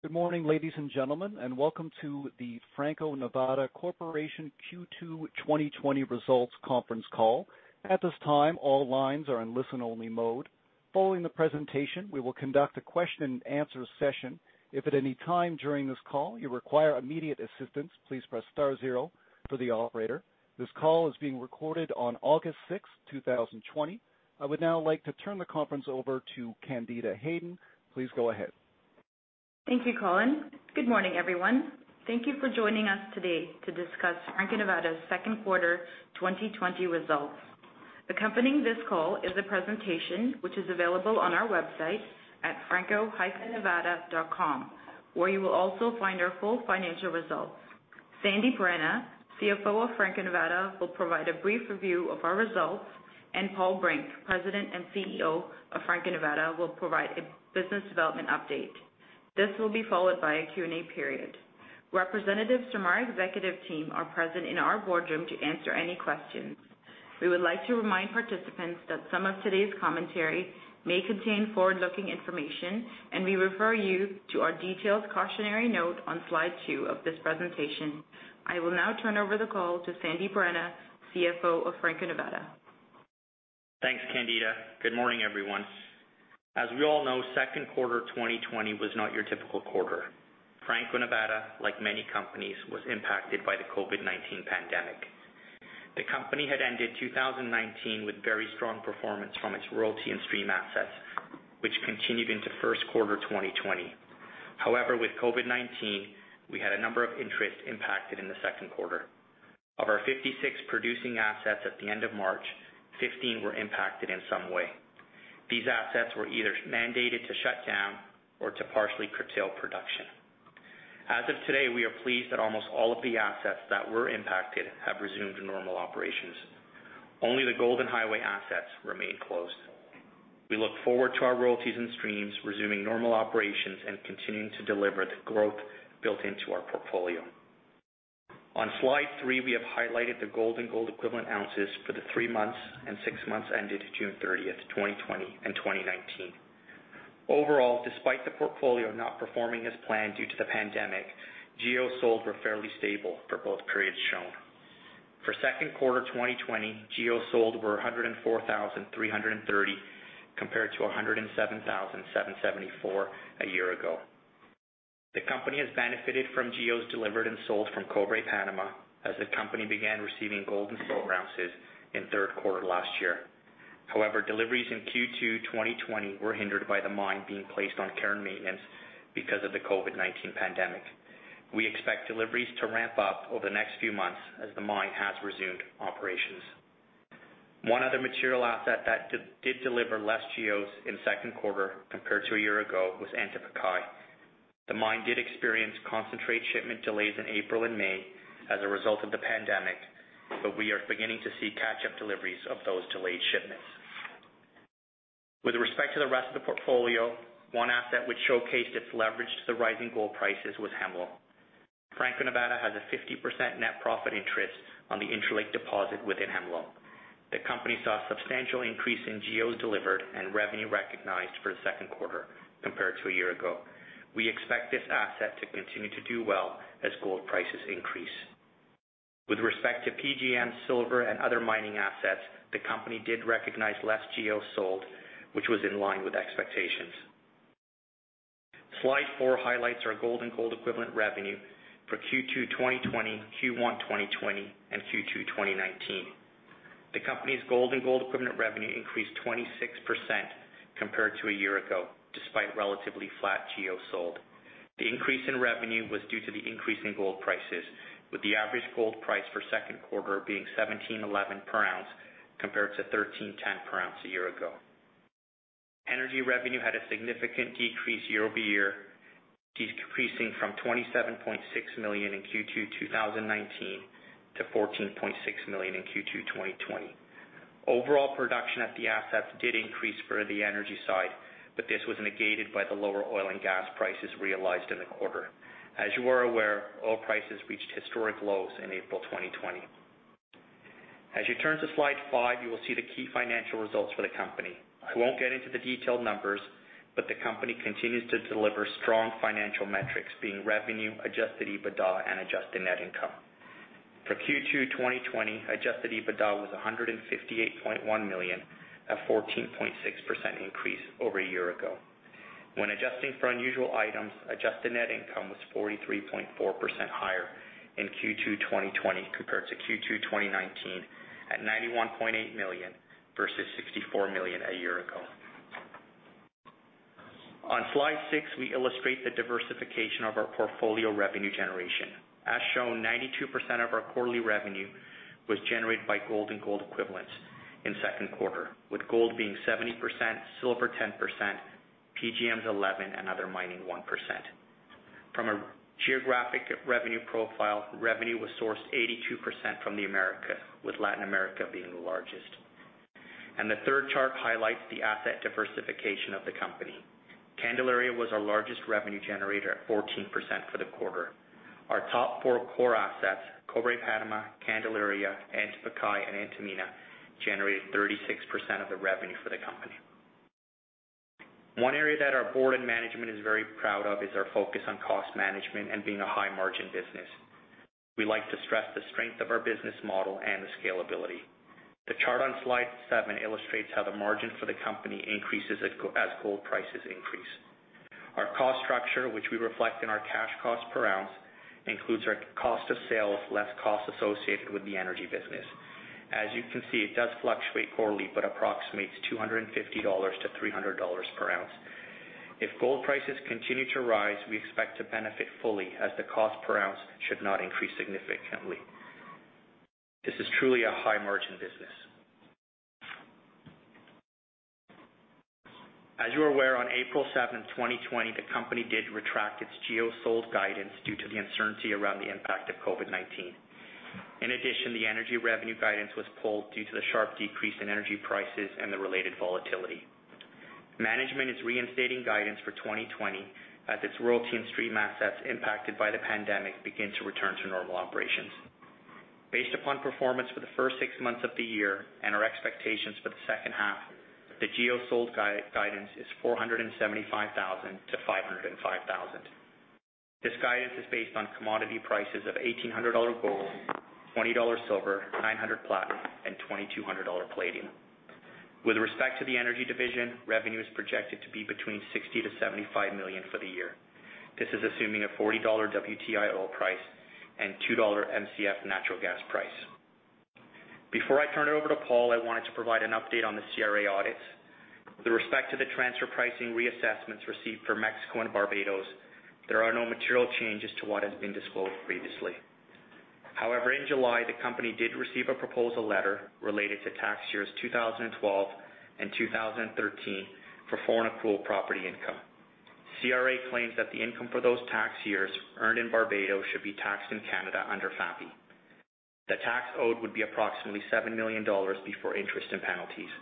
Good morning, ladies and gentlemen, welcome to the Franco-Nevada Corporation Q2 2020 results conference call. At this time, all lines are in listen-only mode. Following the presentation, we will conduct a question and answer session. If at any time during this call you require immediate assistance, please press star zero for the operator. This call is being recorded on August 6th, 2020. I would now like to turn the conference over to Candida Hayden. Please go ahead. Thank you, Colin. Good morning, everyone. Thank you for joining us today to discuss Franco-Nevada's Q2 2020 results. Accompanying this call is a presentation which is available on our website at franco-nevada.com, where you will also find our full financial results. Sandip Rana, CFO of Franco-Nevada, will provide a brief review of our results, and Paul Brink, President and CEO of Franco-Nevada, will provide a business development update. This will be followed by a Q&A period. Representatives from our executive team are present in our boardroom to answer any questions. We would like to remind participants that some of today's commentary may contain forward-looking information, and we refer you to our detailed cautionary note on slide two of this presentation. I will now turn over the call to Sandip Rana, CFO of Franco-Nevada. Thanks, Candida. Good morning, everyone. As we all know, Q2 2020 was not your typical quarter. Franco-Nevada, like many companies, was impacted by the COVID-19 pandemic. The company had ended 2019 with very strong performance from its royalty and stream assets, which continued into Q1 2020. With COVID-19, we had a number of interests impacted in the Q2. Of our 56 producing assets at the end of March, 15 were impacted in some way. These assets were either mandated to shut down or to partially curtail production. As of today, we are pleased that almost all of the assets that were impacted have resumed normal operations. Only the Golden Highway assets remain closed. We look forward to our royalties and streams resuming normal operations and continuing to deliver the growth built into our portfolio. On slide three, we have highlighted the gold and gold equivalent ounces for the three months and six months ended June 30, 2020 and 2019. Overall, despite the portfolio not performing as planned due to the pandemic, GEOs sold were fairly stable for both periods shown. For Q2 2020, GEOs sold were 104,330 compared to 107,774 a year ago. The company has benefited from GEOs delivered and sold from Cobre Panamá as the company began receiving gold and silver ounces in Q3 last year. Deliveries in Q2 2020 were hindered by the mine being placed on care and maintenance because of the COVID-19 pandemic. We expect deliveries to ramp up over the next few months as the mine has resumed operations. One other material asset that did deliver less GEOs in Q2 compared to a year ago was Antamina. The mine did experience concentrate shipment delays in April and May as a result of the pandemic, but we are beginning to see catch-up deliveries of those delayed shipments. With respect to the rest of the portfolio, one asset which showcased its leverage to the rising gold prices was Hemlo. Franco-Nevada has a 50% net profit interest on the Interlake deposit within Hemlo. The company saw a substantial increase in GEOs delivered and revenue recognized for the Q2 compared to a year ago. We expect this asset to continue to do well as gold prices increase. With respect to PGM, silver, and other mining assets, the company did recognize less GEOs sold, which was in line with expectations. Slide four highlights our gold and gold equivalent revenue for Q2 2020, Q1 2020, and Q2 2019. The company's gold and gold equivalent revenue increased 26% compared to a year ago, despite relatively flat GEOs sold. The increase in revenue was due to the increase in gold prices, with the average gold price for Q2 being $1,711 per ounce compared to $1,310 per ounce a year ago. Energy revenue had a significant decrease year-over-year, decreasing from $27.6 million in Q2 2019 to $14.6 million in Q2 2020. Overall production at the asset did increase for the energy side, but this was negated by the lower oil and gas prices realized in the quarter. As you are aware, oil prices reached historic lows in April 2020. As you turn to slide five, you will see the key financial results for the company. I won't get into the detailed numbers. The company continues to deliver strong financial metrics being revenue, adjusted EBITDA, and adjusted net income. For Q2 2020, adjusted EBITDA was $158.1 million, a 14.6% increase over a year ago. When adjusting for unusual items, adjusted net income was 43.4% higher in Q2 2020 compared to Q2 2019 at $91.8 million versus $64 million a year ago. On slide six, we illustrate the diversification of our portfolio revenue generation. As shown, 92% of our quarterly revenue was generated by gold and gold equivalents in Q2, with gold being 70%, silver 10%, PGMs 11%, and other mining 1%. From a geographic revenue profile, revenue was sourced 82% from the Americas, with Latin America being the largest. The third chart highlights the asset diversification of the company. Candelaria was our largest revenue generator at 14%. Our four core assets, Cobre Panamá, Candelaria, Antapaccay, and Antamina, generated 36% of the revenue for the company. One area that our board and management is very proud of is our focus on cost management and being a high margin business. We like to stress the strength of our business model and the scalability. The chart on slide seven illustrates how the margin for the company increases as gold prices increase. Our cost structure, which we reflect in our cash cost per ounce, includes our cost of sales less costs associated with the energy business. As you can see, it does fluctuate quarterly but approximates $250-$300 per ounce. If gold prices continue to rise, we expect to benefit fully as the cost per ounce should not increase significantly. This is truly a high margin business. As you are aware, on April 7th, 2020, the company did retract its GEO sold guidance due to the uncertainty around the impact of COVID-19. In addition, the energy revenue guidance was pulled due to the sharp decrease in energy prices and the related volatility. Management is reinstating guidance for 2020 as its royalty and stream assets impacted by the pandemic begin to return to normal operations. Based upon performance for the first six months of the year and our expectations for the H2, the GEO sold guidance is 475,000 GEOs-505,000 GEOs. This guidance is based on commodity prices of $1,800 gold, $20 silver, $900 platinum, and $2,200 palladium. With respect to the energy division, revenue is projected to be between $60 million-$75 million for the year. This is assuming a $40 WTI oil price and $2 MCF natural gas price. Before I turn it over to Paul, I wanted to provide an update on the CRA audits. With respect to the transfer pricing reassessments received for Mexico and Barbados, there are no material changes to what has been disclosed previously. However, in July, the company did receive a proposal letter related to tax years 2012 and 2013 for foreign accrual property income. CRA claims that the income for those tax years earned in Barbados should be taxed in Canada under FAPI. The tax owed would be approximately $7 million before interest and penalties.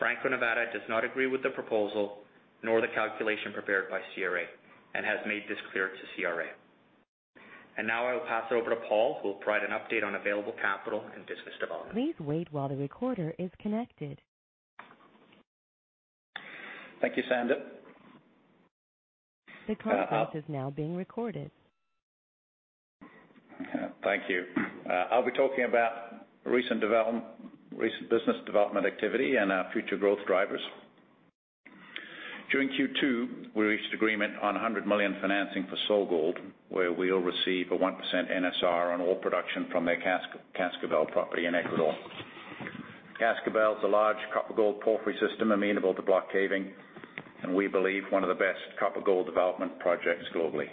Franco-Nevada does not agree with the proposal, nor the calculation prepared by CRA, and has made this clear to CRA. Now I will pass it over to Paul, who will provide an update on available capital and business development. Thank you, Sandip. Thank you. I'll be talking about recent business development activity and our future growth drivers. During Q2, we reached agreement on $100 million financing for SolGold, where we will receive a 1% NSR on all production from their Cascabel property in Ecuador. Cascabel is a large copper gold porphyry system amenable to block caving, and we believe one of the best copper gold development projects globally.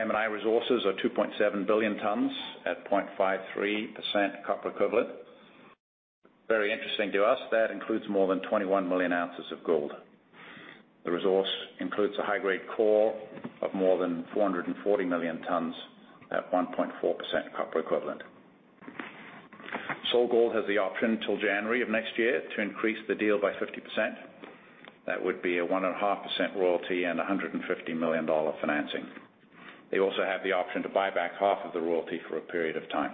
M&A resources are 2.7 billion tons at 0.53% copper equivalent. Very interesting to us, that includes more than 21 million ounces of gold. The resource includes a high-grade core of more than 440 million tons at 1.4% copper equivalent. SolGold has the option till January of next year to increase the deal by 50%. That would be a 1.5% royalty and $150 million financing. They also have the option to buy back half of the royalty for a period of time.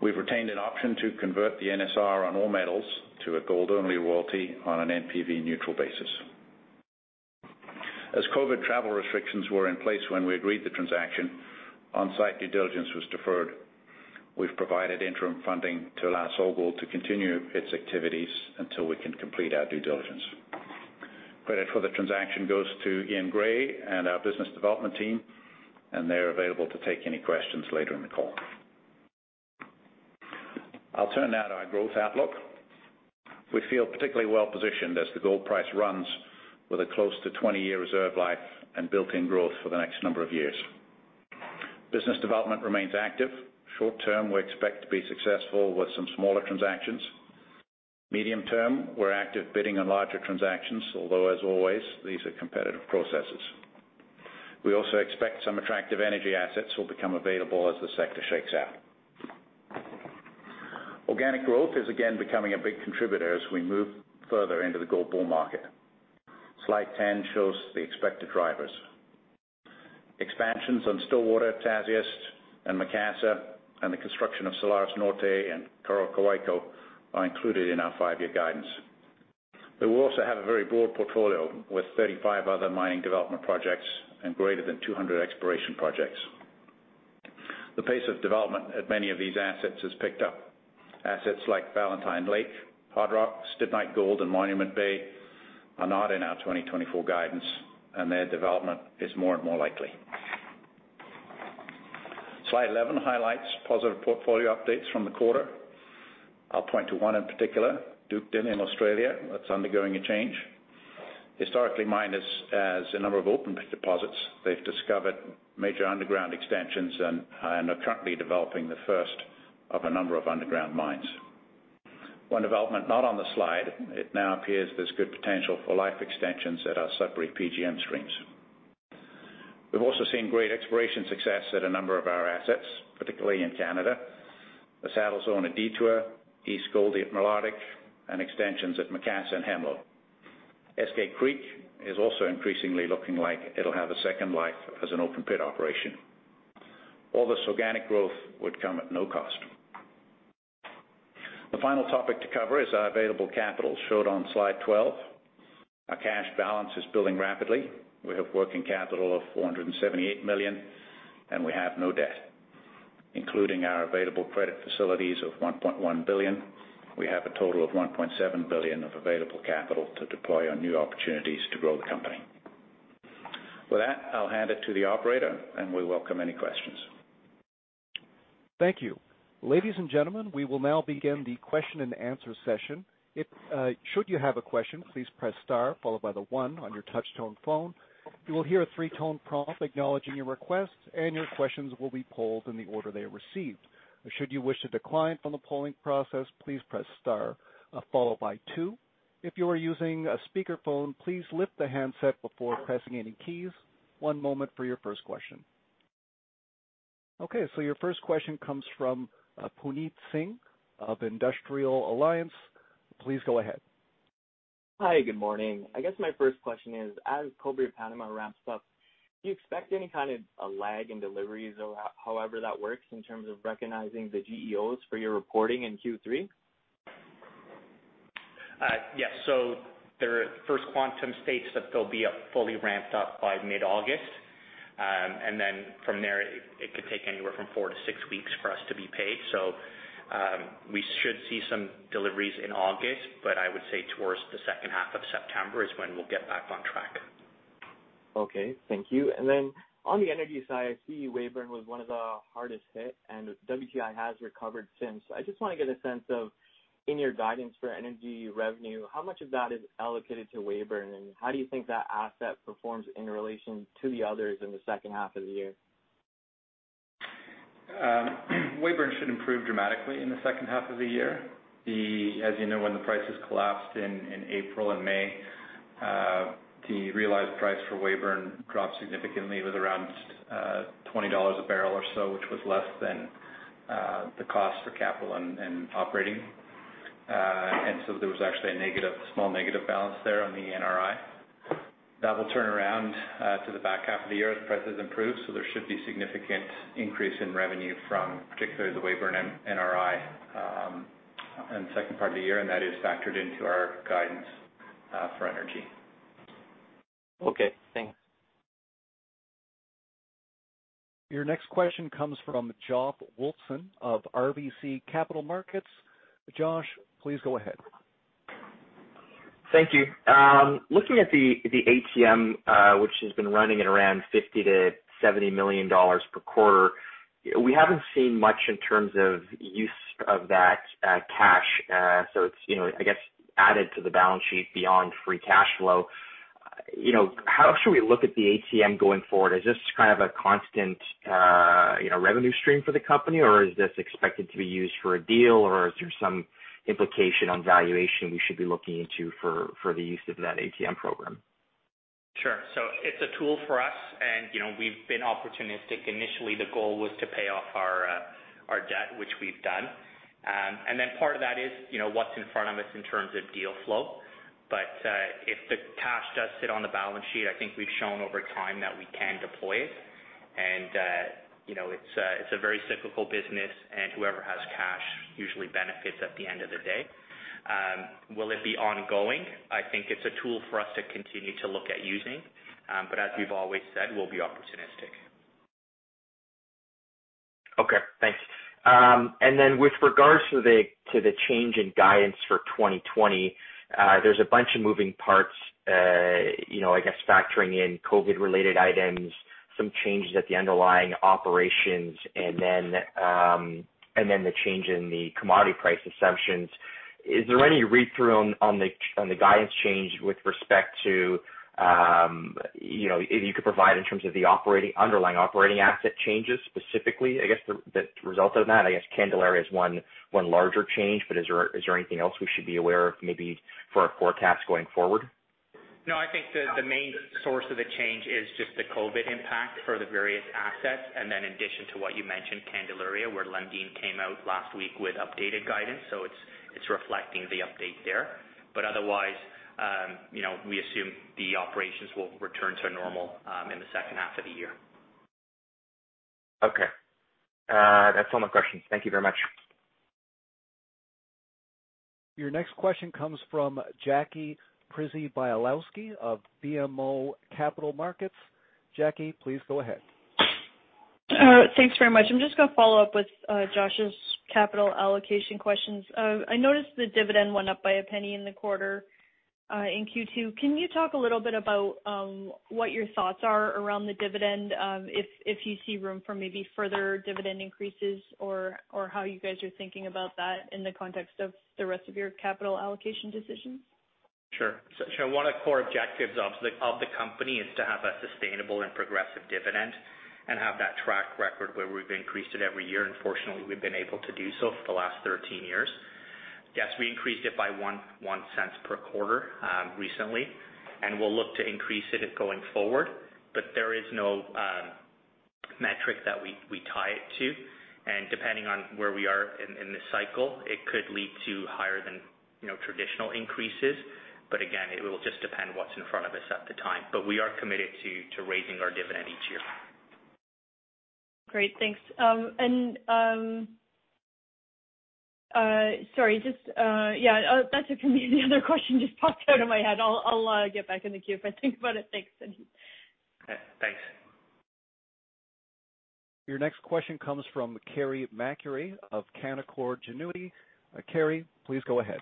We've retained an option to convert the NSR on all metals to a gold-only royalty on an NPV neutral basis. As COVID travel restrictions were in place when we agreed the transaction, on-site due diligence was deferred. We've provided interim funding to allow SolGold to continue its activities until we can complete our due diligence. Credit for the transaction goes to Eaun Gray and our business development team. They're available to take any questions later in the call. I'll turn now to our growth outlook. We feel particularly well-positioned as the gold price runs with a close to 20-year reserve life and built-in growth for the next number of years. Business development remains active. Short term, we expect to be successful with some smaller transactions. Medium term, we're active bidding on larger transactions, although as always, these are competitive processes. We also expect some attractive energy assets will become available as the sector shakes out. Organic growth is again becoming a big contributor as we move further into the gold bull market. Slide 10 shows the expected drivers. Expansions on Stillwater, Tasiast, and Macassa, and the construction of Salares Norte and Coroccohuayco are included in our five-year guidance. We also have a very broad portfolio with 35 other mining development projects and greater than 200 exploration projects. The pace of development at many of these assets has picked up. Assets like Valentine Lake, Hardrock, Stibnite Gold, and Monument Bay are not in our 2024 guidance, and their development is more and more likely. Slide 11 highlights positive portfolio updates from the quarter. I'll point to one in particular, Duketon in Australia, that's undergoing a change. Historically mined as a number of open pits deposits, they've discovered major underground extensions and are currently developing the first of a number of underground mines. One development not on the slide, it now appears there's good potential for life extensions at our Sudbury PGM streams. We've also seen great exploration success at a number of our assets, particularly in Canada. The Saddle Zone at Detour, East Goldie at Malartic and extensions at Macassa and Hemlo. Eskay Creek is also increasingly looking like it'll have a second life as an open pit operation. All this organic growth would come at no cost. The final topic to cover is our available capital, showed on slide 12. Our cash balance is building rapidly. We have working capital of $478 million, and we have no debt. Including our available credit facilities of $1.1 billion, we have a total of $1.7 billion of available capital to deploy on new opportunities to grow the company. With that, I'll hand it to the operator, and we welcome any questions. Thank you. Ladies and gentlemen, we will now begin the question and answer session. Should you have a question, please press star followed by the one on your touchtone phone. You will hear a three-tone prompt acknowledging your request, and your questions will be polled in the order they are received. Should you wish to decline from the polling process, please press star followed by two. If you are using a speakerphone, please lift the handset before pressing any keys. One moment for your first question. Okay, your first question comes from Puneet Singh of Industrial Alliance. Please go ahead. Hi, good morning. I guess my first question is, as Cobre Panamá ramps up, do you expect any kind of a lag in deliveries or however that works in terms of recognizing the GEOs for your reporting in Q3? Yes. Their First Quantum states that they'll be up fully ramped up by mid-August, and then from there, it could take anywhere from four to six weeks for us to be paid. We should see some deliveries in August, but I would say towards the H2 of September is when we'll get back on track. Okay, thank you. On the energy side, I see Weyburn was one of the hardest hit, and WTI has recovered since. I just want to get a sense of, in your guidance for energy revenue, how much of that is allocated to Weyburn, and how do you think that asset performs in relation to the others in the H2 of the year? Weyburn should improve dramatically in the H2 of the year. As you know, when the prices collapsed in April and May, the realized price for Weyburn dropped significantly with around $20 a barrel or so, which was less than the cost for capital and operating. There was actually a small negative balance there on the NRI. That will turn around to the back half of the year as prices improve, so there should be significant increase in revenue from particularly the Weyburn NRI, in the second part of the year, and that is factored into our guidance for energy. Okay, thanks. Your next question comes from Josh Wolfson of RBC Capital Markets. Josh, please go ahead. Thank you. Looking at the ATM, which has been running at around $50 million-$70 million per quarter, we haven't seen much in terms of use of that cash. It's, I guess, added to the balance sheet beyond free cash flow. How should we look at the ATM going forward? Is this kind of a constant revenue stream for the company, or is this expected to be used for a deal, or is there some implication on valuation we should be looking into for the use of that ATM program? Sure. It's a tool for us and we've been opportunistic. Initially, the goal was to pay off our debt, which we've done. Part of that is what's in front of us in terms of deal flow. If the cash does sit on the balance sheet, I think we've shown over time that we can deploy it and it's a very cyclical business, and whoever has cash usually benefits at the end of the day. Will it be ongoing? I think it's a tool for us to continue to look at using, but as we've always said, we'll be opportunistic. Okay, thanks. With regards to the change in guidance for 2020, there's a bunch of moving parts, I guess factoring in COVID-19 related items, some changes at the underlying operations, and then the change in the commodity price assumptions. Is there any read-through on the guidance change with respect to, if you could provide in terms of the underlying operating asset changes specifically, I guess, the result of that? I guess Candelaria is one larger change, but is there anything else we should be aware of maybe for our forecast going forward? I think the main source of the change is just the COVID impact for the various assets, and then in addition to what you mentioned, Candelaria, where Lundin came out last week with updated guidance. It's reflecting the update there. Otherwise, we assume the operations will return to normal in the H2 of the year. Okay. That's all my questions. Thank you very much. Your next question comes from Jackie Przybylowski of BMO Capital Markets. Jackie, please go ahead. Thanks very much. I'm just going to follow up with Josh's capital allocation questions. I noticed the dividend went up by $0.01 in the quarter, in Q2. Can you talk a little bit about what your thoughts are around the dividend? If you see room for maybe further dividend increases or how you guys are thinking about that in the context of the rest of your capital allocation decisions? Sure. One of the core objectives of the company is to have a sustainable and progressive dividend and have that track record where we've increased it every year, and fortunately, we've been able to do so for the last 13 years. Yes, we increased it by $0.01 per quarter recently, and we'll look to increase it going forward. There is no metric that we tie it to, and depending on where we are in the cycle, it could lead to higher than traditional increases. Again, it will just depend what's in front of us at the time. We are committed to raising our dividend each year. Great. Thanks. Sorry, the other question just popped out of my head. I'll get back in the queue if I think about it. Thanks, Sandip. Okay, thanks. Your next question comes from Carey MacRae of Canaccord Genuity. Carey, please go ahead.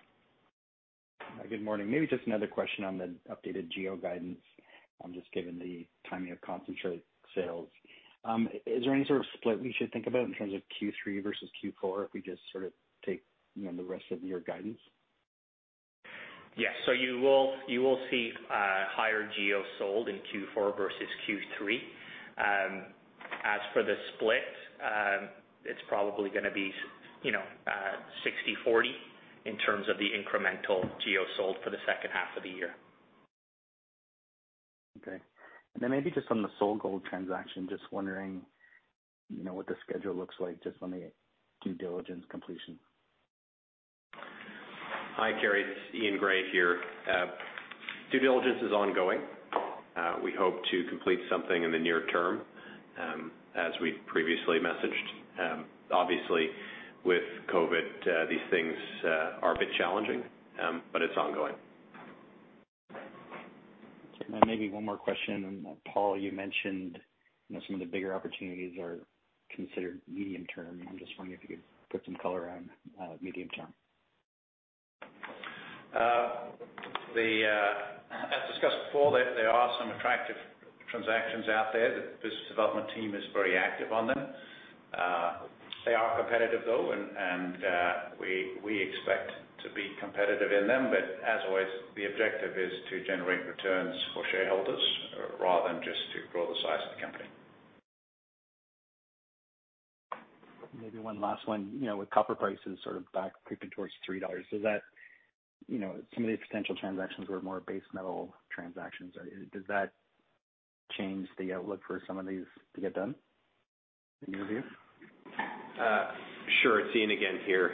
Good morning. Maybe just another question on the updated GEO guidance, just given the timing of concentrate sales. Is there any sort of split we should think about in terms of Q3 versus Q4 if we just sort of take the rest of your guidance? Yes. You will see higher GEOs sold in Q4 versus Q3. As for the split, it's probably going to be 60/40 in terms of the incremental GEOs sold for the H2 of the year. Okay. Maybe just on the SolGold transaction, just wondering what the schedule looks like, just on the due diligence completion. Hi, Carey, it's Eaun Gray here. Due diligence is ongoing. We hope to complete something in the near term, as we previously messaged. Obviously with COVID-19, these things are a bit challenging, but it's ongoing. Maybe one more question. Paul, you mentioned some of the bigger opportunities are considered medium term. I'm just wondering if you could put some color around medium term? As discussed before, there are some attractive transactions out there. The business development team is very active on them. They are competitive, though, and we expect to be competitive in them. As always, the objective is to generate returns for shareholders rather than just to grow the size of the company. Maybe one last one. With copper prices sort of back creeping towards $3, some of these potential transactions were more base metal transactions. Does that change the outlook for some of these to get done in your view? Sure. It's Eaun again here.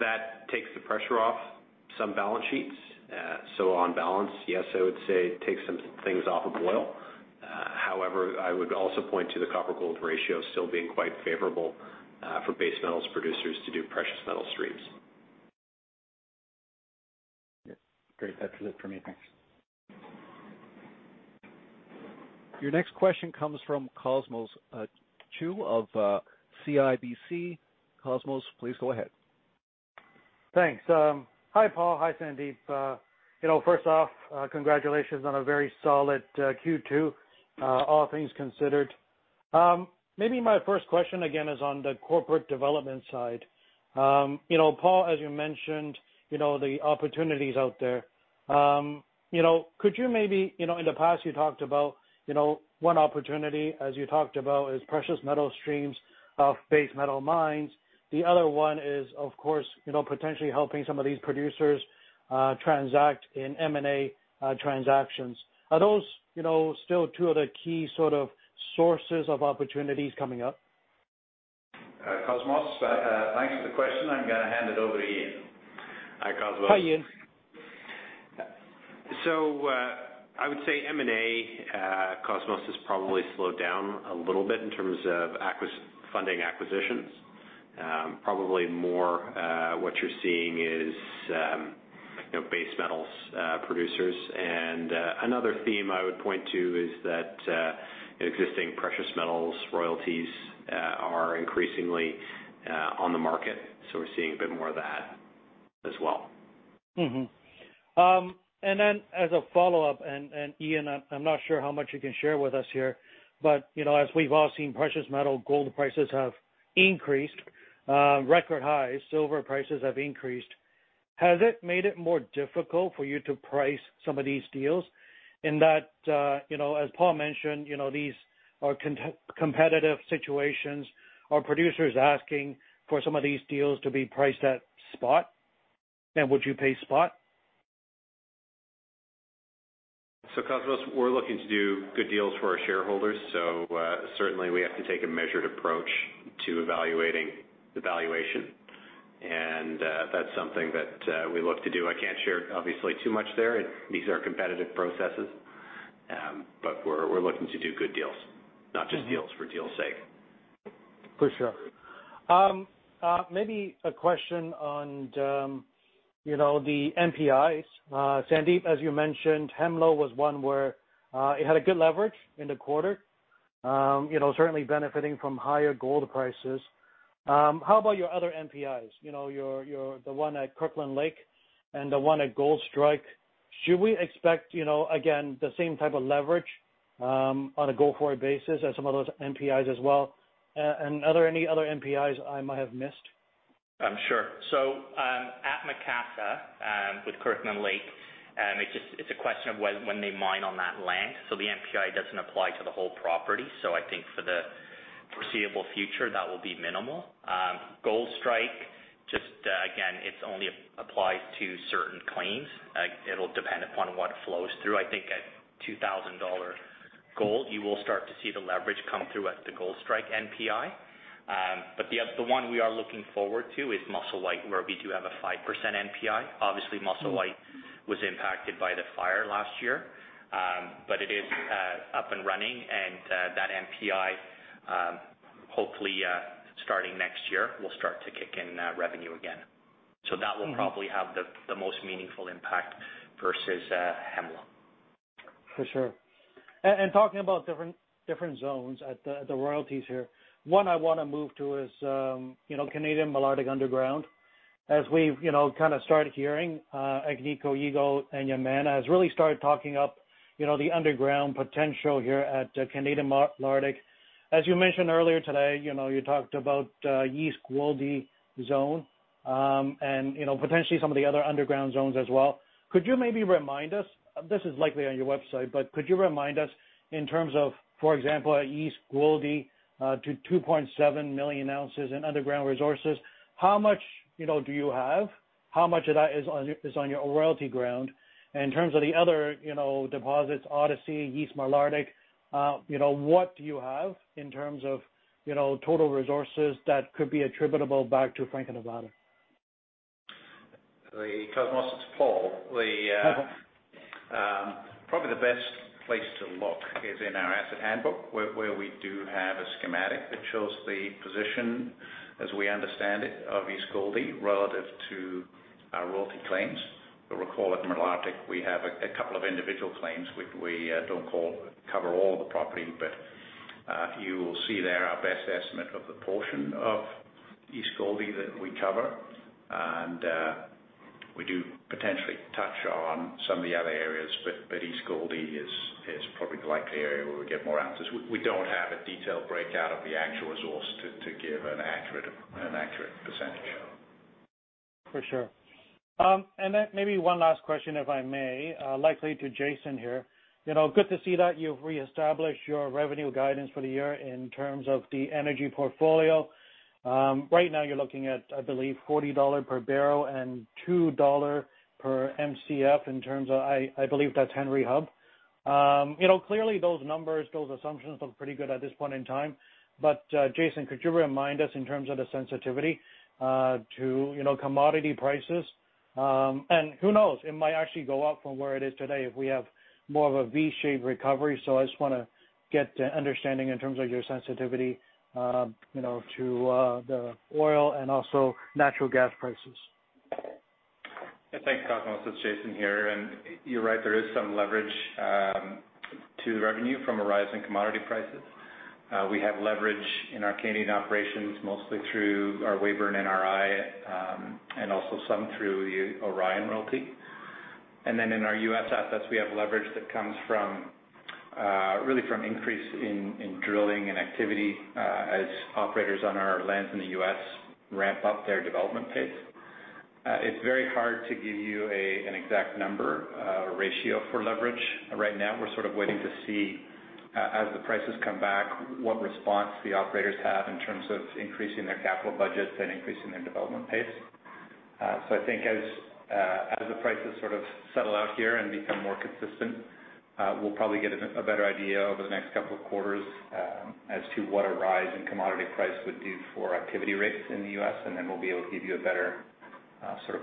That takes the pressure off some balance sheets. On balance, yes, I would say it takes some things off the oil. However, I would also point to the copper-gold ratio still being quite favorable for base metals producers to do precious metal streams. Great. That is it for me. Thanks. Your next question comes from Cosmos Chiu of CIBC. Cosmos, please go ahead. Thanks. Hi, Paul. Hi, Sandip. First off, congratulations on a very solid Q2, all things considered. Maybe my first question, again, is on the corporate development side. Paul, as you mentioned the opportunities out there. In the past you talked about one opportunity, as you talked about, is precious metal streams of base metal mines. The other one is, of course, potentially helping some of these producers transact in M&A transactions. Are those still two of the key sort of sources of opportunities coming up? Cosmos, thanks for the question. I'm going to hand it over to Eaun. Hi, Cosmos. Hi, Eaun. I would say M&I, Cosmos, has probably slowed down a little bit in terms of funding acquisitions. Probably more what you're seeing is base metals producers. Another theme I would point to is that existing precious metals royalties are increasingly on the market, so we're seeing a bit more of that as well. Mm-hmm. As a follow-up, and Eaun, I'm not sure how much you can share with us here, but as we've all seen, precious metal gold prices have increased, record highs. Silver prices have increased. Has it made it more difficult for you to price some of these deals in that, as Paul mentioned, these are competitive situations? Are producers asking for some of these deals to be priced at spot, and would you pay spot? Cosmos, we're looking to do good deals for our shareholders, so certainly we have to take a measured approach to evaluating the valuation, and that's something that we look to do. I can't share obviously too much there. These are competitive processes. We're looking to do good deals, not just deals for deals' sake. For sure. Maybe a question on the NPIs. Sandip, as you mentioned, Hemlo was one where it had a good leverage in the quarter, certainly benefiting from higher gold prices. How about your other NPIs? The one at Kirkland Lake and the one at Goldstrike. Should we expect, again, the same type of leverage on a go-forward basis at some of those NPIs as well? Are there any other NPIs I might have missed? Sure. Macassa with Kirkland Lake, it's a question of when they mine on that land. The NPI doesn't apply to the whole property. I think for the foreseeable future, that will be minimal. Goldstrike, just again, it only applies to certain claims. It'll depend upon what flows through. I think at $2,000 gold, you will start to see the leverage come through at the Goldstrike NPI. The one we are looking forward to is Musselwhite, where we do have a 5% NPI. Obviously, Musselwhite was impacted by the fire last year. It is up and running, and that NPI, hopefully, starting next year, will start to kick in revenue again. That will probably have the most meaningful impact versus Hemlo. For sure. Talking about different zones at the royalties here, one I want to move to is Canadian Malartic Underground. As we've started hearing, Agnico Eagle and Yamana has really started talking up the underground potential here at Canadian Malartic. As you mentioned earlier today, you talked about East Goldie zone, and potentially some of the other underground zones as well. Could you maybe remind us, this is likely on your website, but could you remind us in terms of, for example, at East Goldie, to 2.7 million ounces in underground resources, how much do you have? How much of that is on your royalty ground? In terms of the other deposits, Odyssey, East Malartic, what do you have in terms of total resources that could be attributable back to Franco-Nevada? Cosmos, it's Paul. Probably the best place to look is in our asset handbook, where we do have a schematic that shows the position, as we understand it, of East Goldie relative to our royalty claims. You'll recall at Malartic, we have a couple of individual claims, which we don't cover all the property, but you will see there our best estimate of the portion of East Goldie that we cover. We do potentially touch on some of the other areas, but East Goldie is probably the likely area where we get more answers. We don't have a detailed breakout of the actual resource to give an accurate percentage. Maybe one last question, if I may, likely to Jason here. Good to see that you've reestablished your revenue guidance for the year in terms of the energy portfolio. Right now you're looking at, I believe, $40 per barrel and $2 per MCF in terms of, I believe that's Henry Hub. Clearly those numbers, those assumptions look pretty good at this point in time. Jason, could you remind us in terms of the sensitivity to commodity prices? Who knows, it might actually go up from where it is today if we have more of a V-shaped recovery. I just want to get an understanding in terms of your sensitivity to the oil and also natural gas prices. Yeah, thanks, Cosmos. It's Jason here. You're right, there is some leverage to the revenue from a rise in commodity prices. We have leverage in our Canadian operations, mostly through our Weyburn NRI, also some through the Orion royalty. In our U.S. assets, we have leverage that comes really from increase in drilling and activity as operators on our lands in the U.S. ramp up their development pace. It's very hard to give you an exact number or ratio for leverage. Right now, we're sort of waiting to see, as the prices come back, what response the operators have in terms of increasing their capital budgets and increasing their development pace. I think as the prices sort of settle out here and become more consistent, we'll probably get a better idea over the next couple of quarters as to what a rise in commodity price would do for activity rates in the U.S., and then we'll be able to give you a better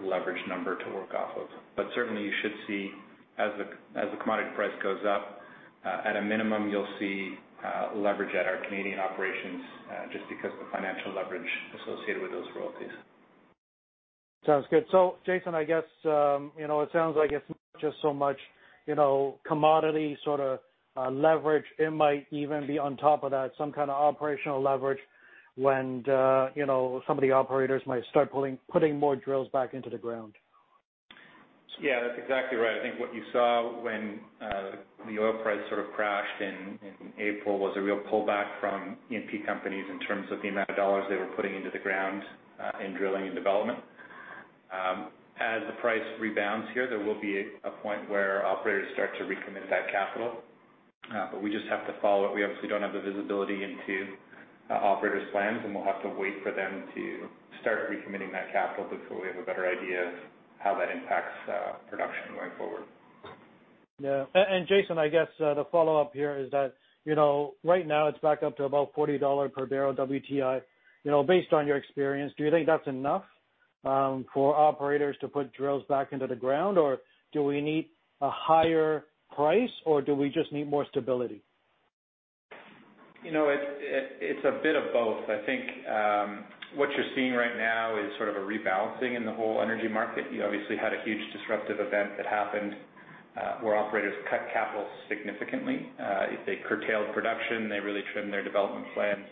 leverage number to work off of. Certainly you should see as the commodity price goes up, at a minimum, you'll see leverage at our Canadian operations, just because the financial leverage associated with those royalties. Sounds good. Jason, I guess, it sounds like it's not just so much commodity leverage. It might even be on top of that, some kind of operational leverage when some of the operators might start putting more drills back into the ground. Yeah, that's exactly right. I think what you saw when the oil price sort of crashed in April was a real pullback from E&P companies in terms of the amount of dollars they were putting into the ground in drilling and development. As the price rebounds here, there will be a point where operators start to recommit that capital. We just have to follow it. We obviously don't have the visibility into operators' plans, and we'll have to wait for them to start recommitting that capital before we have a better idea of how that impacts production going forward. Yeah. Jason, I guess the follow-up here is that right now it's back up to about $40 per barrel WTI. Based on your experience, do you think that's enough for operators to put drills back into the ground, or do we need a higher price, or do we just need more stability? It's a bit of both. I think what you're seeing right now is sort of a rebalancing in the whole energy market. You obviously had a huge disruptive event that happened, where operators cut capital significantly. They curtailed production. They really trimmed their development plans.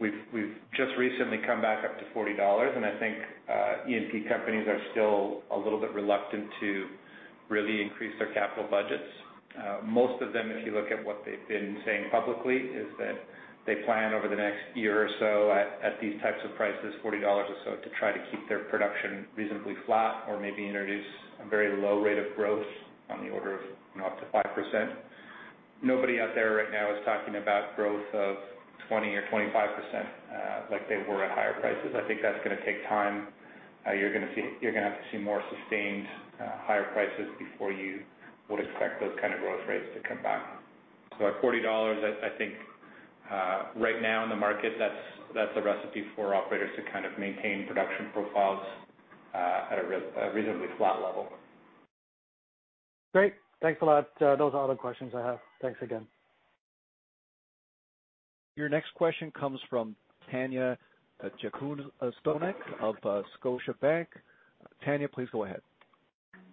We've just recently come back up to $40. I think E&P companies are still a little bit reluctant to really increase their capital budgets. Most of them, if you look at what they've been saying publicly, is that they plan over the next year or so at these types of prices, $40 or so, to try to keep their production reasonably flat or maybe introduce a very low rate of growth on the order of up to 5%. Nobody out there right now is talking about growth of 20% or 25% like they were at higher prices. I think that's going to take time. You're going to have to see more sustained higher prices before you would expect those kind of growth rates to come back. At $40, I think right now in the market, that's a recipe for operators to kind of maintain production profiles at a reasonably flat level. Great. Thanks a lot. Those are all the questions I have. Thanks again. Your next question comes from Tanya Jakusconek of Scotiabank. Tanya, please go ahead.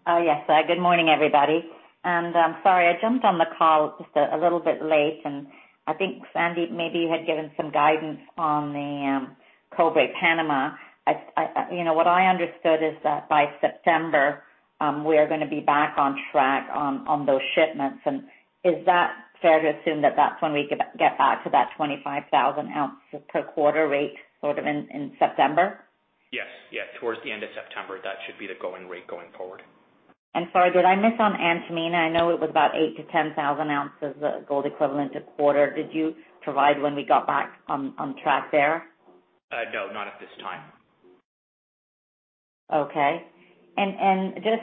Yes. Good morning, everybody. I'm sorry, I jumped on the call just a little bit late, and I think Sandip maybe had given some guidance on the Cobre Panamá. What I understood is that by September, we are going to be back on track on those shipments. Is that fair to assume that that's when we get back to that 25,000 ounces per quarter rate sort of in September? Yes. Towards the end of September, that should be the going rate going forward. Sorry, did I miss on Antamina? I know it was about 8 to 10,000 ounces of gold equivalent a quarter. Did you provide when we got back on track there? No, not at this time. Okay. Just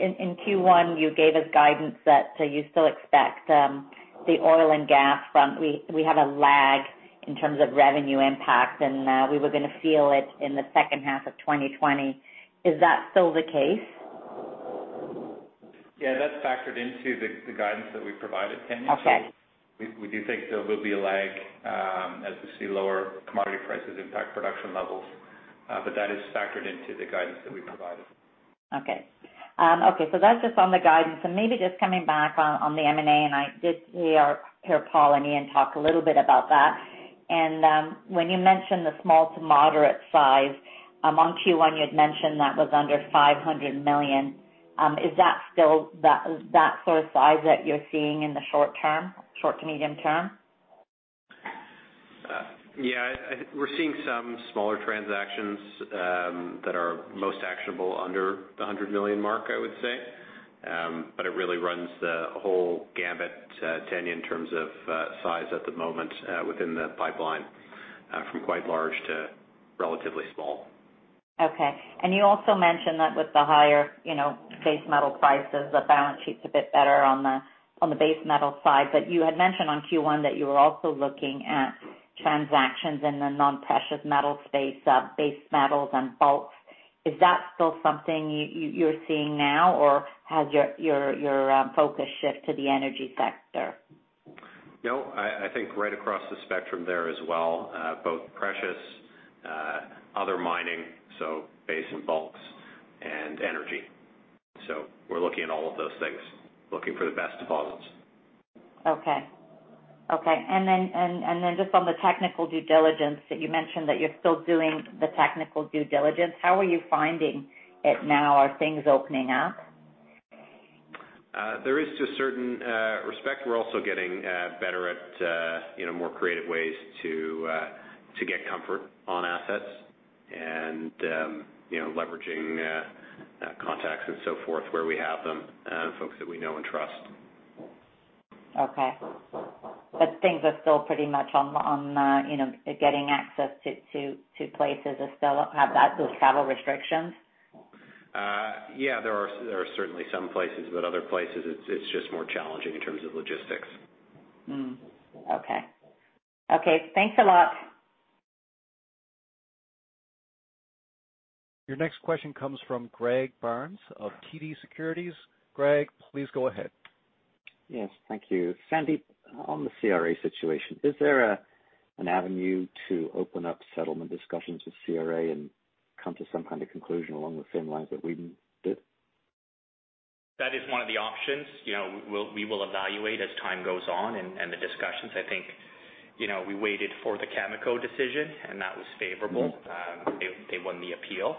in Q1, you gave us guidance that you still expect the oil and gas front, we have a lag in terms of revenue impact, and we were going to feel it in the H2 of 2020. Is that still the case? Yeah, that's factored into the guidance that we provided, Tanya. Okay. We do think there will be a lag as we see lower commodity prices impact production levels. That is factored into the guidance that we provided. That's just on the guidance. Maybe just coming back on the M&A, I did hear Paul and Eaun talk a little bit about that. When you mentioned the small to moderate size on Q1, you had mentioned that was under $500 million. Is that still that sort of size that you're seeing in the short to medium term? Yeah, we're seeing some smaller transactions that are most actionable under the $100 million mark, I would say. It really runs the whole gamut, Tanya, in terms of size at the moment within the pipeline, from quite large to relatively small. Okay. You also mentioned that with the higher base metal prices, the balance sheet's a bit better on the base metal side. You had mentioned on Q1 that you were also looking at transactions in the non-precious metal space, base metals and bulks. Is that still something you're seeing now, or has your focus shift to the energy sector? No, I think right across the spectrum there as well, both precious, other mining, so base and bulks, and energy. We're looking at all of those things, looking for the best deposits. Okay. Just on the technical due diligence that you mentioned, that you're still doing the technical due diligence, how are you finding it now? Are things opening up? There is to a certain respect, we're also getting better at more creative ways to get comfort on assets and leveraging contacts and so forth where we have them, folks that we know and trust. Okay. Things are still pretty much getting access to places are still have those travel restrictions? Yeah, there are certainly some places, but other places, it's just more challenging in terms of logistics. Okay. Thanks a lot. Your next question comes from Greg Barnes of TD Securities. Greg, please go ahead. Yes. Thank you. Sandip, on the CRA situation, is there an avenue to open up settlement discussions with CRA and come to some kind of conclusion along the same lines that Wheaton did? That is one of the options we will evaluate as time goes on and the discussions. I think we waited for the Cameco decision. That was favorable. They won the appeal.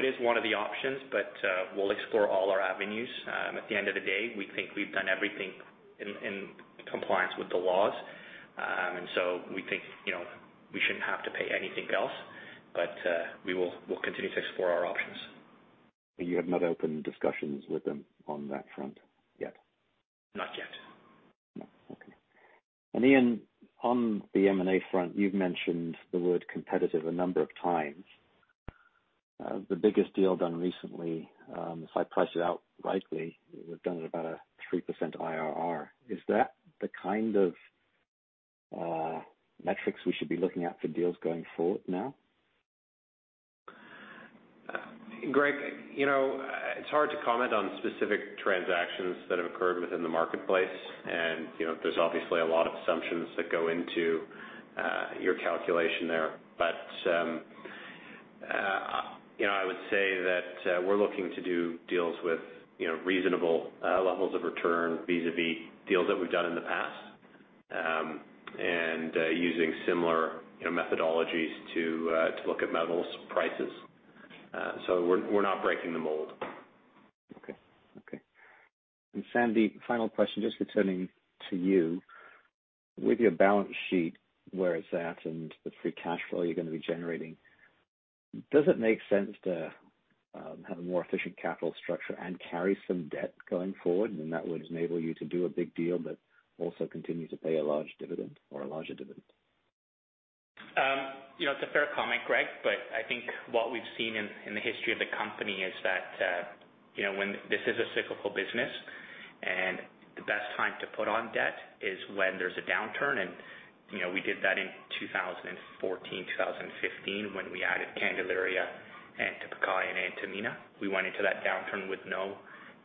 It is one of the options, but we'll explore all our avenues. At the end of the day, we think we've done everything in compliance with the laws. We think we shouldn't have to pay anything else, but we'll continue to explore our options. You have not opened discussions with them on that front yet? Not yet. No. Okay. Eaun, on the M&A front, you've mentioned the word competitive a number of times. The biggest deal done recently, if I price it out rightly, was done at about a 3% IRR. Is that the kind of metrics we should be looking at for deals going forward now? Greg, it's hard to comment on specific transactions that have occurred within the marketplace, and there's obviously a lot of assumptions that go into your calculation there. I would say that we're looking to do deals with reasonable levels of return vis-à-vis deals that we've done in the past using similar methodologies to look at metals prices. We're not breaking the mold. Okay. Sandip, final question, just returning to you. With your balance sheet, where it's at and the free cash flow you're going to be generating, does it make sense to have a more efficient capital structure and carry some debt going forward? That would enable you to do a big deal but also continue to pay a large dividend or a larger dividend. It's a fair comment, Greg, but I think what we've seen in the history of the company is that this is a cyclical business, and the best time to put on debt is when there's a downturn. We did that in 2014, 2015, when we added Candelaria and Topaz and Antamina. We went into that downturn with no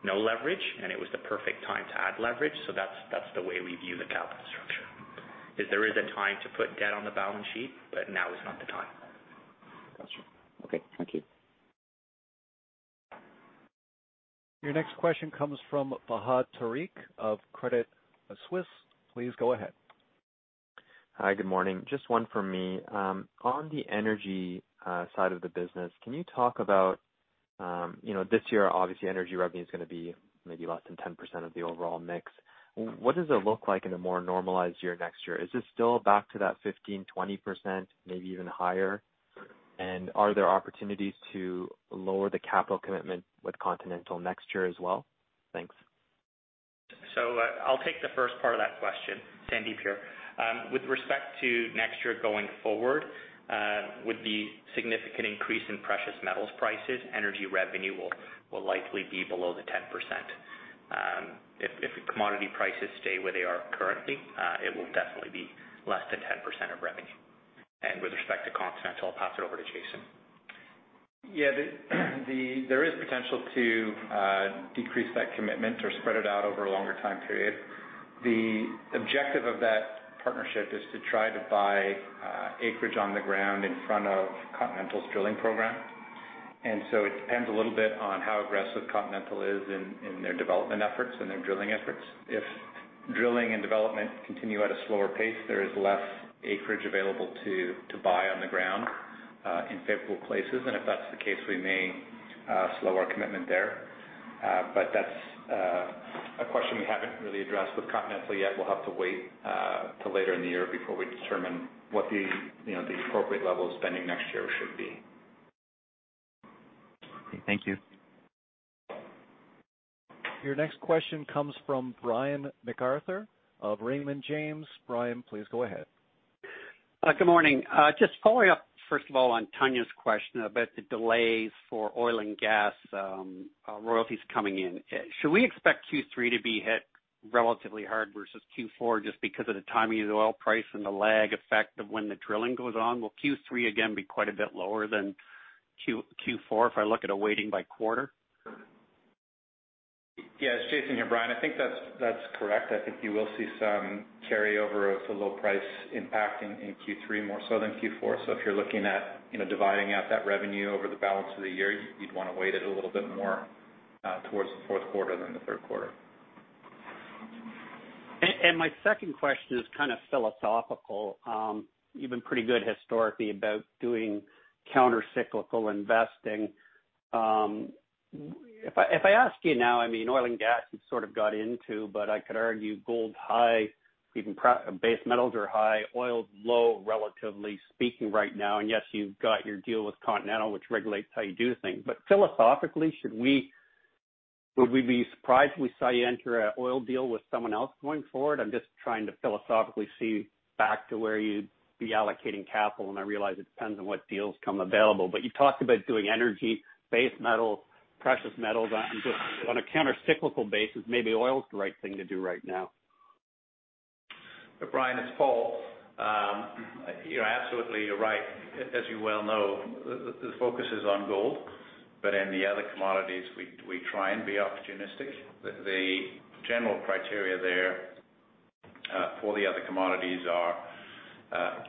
leverage, and it was the perfect time to add leverage. That's the way we view the capital structure, is there is a time to put debt on the balance sheet, but now is not the time. Got you. Okay. Thank you. Your next question comes from Fahad Tariq of Credit Suisse. Please go ahead. Hi, good morning. Just one from me. On the energy side of the business, can you talk about, this year, obviously, energy revenue is going to be maybe less than 10% of the overall mix. What does it look like in a more normalized year next year? Is this still back to that 15%, 20%, maybe even higher? Are there opportunities to lower the capital commitment with Continental next year as well? Thanks. I'll take the first part of that question. Sandip here. With respect to next year going forward, with the significant increase in precious metals prices, energy revenue will likely be below the 10%. If commodity prices stay where they are currently, it will definitely be less than 10% of revenue. With respect to Continental, I'll pass it over to Jason. Yeah. There is potential to decrease that commitment or spread it out over a longer time period. The objective of that partnership is to try to buy acreage on the ground in front of Continental's drilling program. So it depends a little bit on how aggressive Continental is in their development efforts and their drilling efforts. If drilling and development continue at a slower pace, there is less acreage available to buy on the ground, in favorable places. If that's the case, we may slow our commitment there. That's a question we haven't really addressed with Continental yet. We'll have to wait till later in the year before we determine what the appropriate level of spending next year should be. Okay. Thank you. Your next question comes from Brian MacArthur of Raymond James. Brian, please go ahead. Good morning. Just following up, first of all, on Tanya's question about the delays for oil and gas royalties coming in. Should we expect Q3 to be hit relatively hard versus Q4 just because of the timing of the oil price and the lag effect of when the drilling goes on? Will Q3 again be quite a bit lower than Q4 if I look at a weighting by quarter? Yes. Jason here, Brian. I think that's correct. I think you will see some carryover of the low price impact in Q3, more so than Q4. If you're looking at dividing out that revenue over the balance of the year, you'd want to weight it a little bit more towards the Q4 than the Q3. My second question is kind of philosophical. You've been pretty good historically about doing counter-cyclical investing. If I ask you now, oil and gas, you've sort of got into, but I could argue gold, high, even base metals are high, oil is low, relatively speaking right now. Yes, you've got your deal with Continental, which regulates how you do things. Philosophically, would we be surprised if we saw you enter an oil deal with someone else going forward? I'm just trying to philosophically see back to where you'd be allocating capital, and I realize it depends on what deals come available. You talked about doing energy, base metal, precious metals. On a counter-cyclical basis, maybe oil's the right thing to do right now. Brian, it's Paul. You're absolutely right. In the other commodities, we try and be opportunistic. The general criteria there for the other commodities are,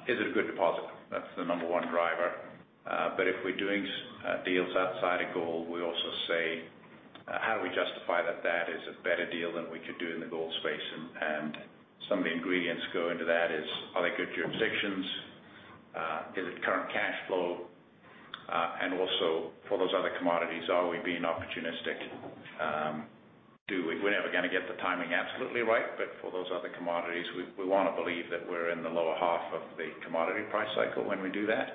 is it a good deposit? That's the number one driver. If we're doing deals outside of gold, we also say, how do we justify that that is a better deal than we could do in the gold space? Some of the ingredients go into that is, are they good jurisdictions? Is it current cash flow? Also, for those other commodities, are we being opportunistic? We're never going to get the timing absolutely right, but for those other commodities, we want to believe that we're in the lower half of the commodity price cycle when we do that.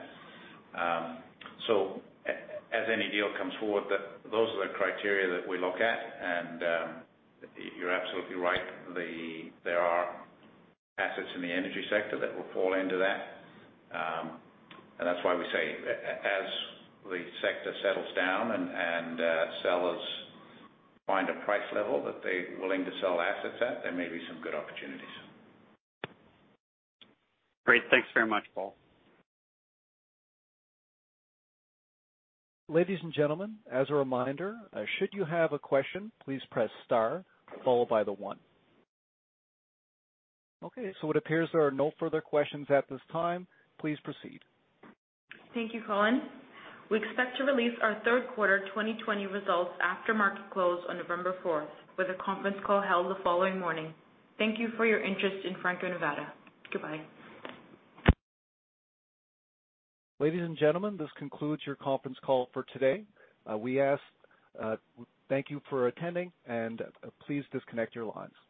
As any deal comes forward, those are the criteria that we look at, and you're absolutely right, there are assets in the energy sector that will fall into that. That's why we say, as the sector settles down and sellers find a price level that they're willing to sell assets at, there may be some good opportunities. Great. Thanks very much, Paul. Ladies and gentlemen, as a reminder, should you have a question, please press star followed by the one. Okay, it appears there are no further questions at this time. Please proceed. Thank you, Colin. We expect to release our Q3 2020 results after market close on November fourth, with a conference call held the following morning. Thank you for your interest in Franco-Nevada. Goodbye. Ladies and gentlemen, this concludes your conference call for today. Thank you for attending, and please disconnect your lines.